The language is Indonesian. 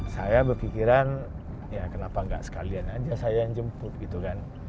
saya berpikiran ya kenapa nggak sekalian aja saya yang jemput gitu kan